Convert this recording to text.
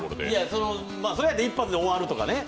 それやったら一発で終わるとかね。